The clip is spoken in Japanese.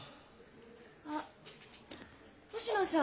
あっ星野さん